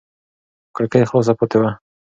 کړکۍ خلاصه پاتې وه.